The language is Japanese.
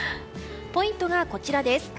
ポイントが、こちらです。